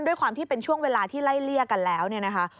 ด้วยความที่เป็นช่วงเวลาที่ไล่เลี่ยกันแล้วเนี่ยนะคะ